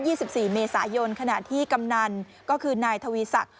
สิบสี่เมษายนขณะที่กำนันก็คือนายทวีศักดิ